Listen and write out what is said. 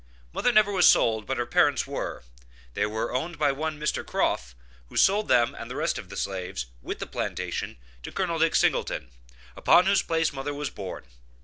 Mother never was sold, but her parents were; they were owned by one Mr. Crough, who sold them and the rest of the slaves, with the plantation, to Col. Dick Singleton, upon whose place mother was born.